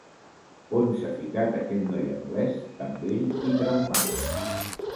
On s'ha ficat aquell noi anglès tan bell i trempat.